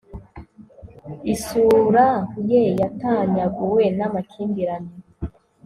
Isura ye yatanyaguwe namakimbirane